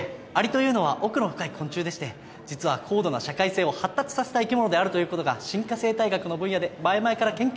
蟻というのは奧の深い昆虫でして実は高度な社会性を発達させた生き物であるという事が進化生態学の分野で前々から研究されてるんですよ。